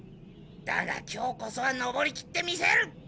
だが今日こそは登り切ってみせる！